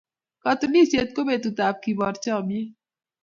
Katunisyet ko betutab keboor chomnyet.